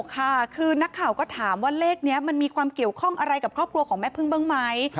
ค่ะคือนักข่าวก็ถามว่าเลขนี้มันมีความเกี่ยวข้องอะไรกับครอบครัวของแม่พึ่งบ้างไหม